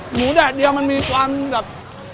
แดดเดียวมันมีความแบบ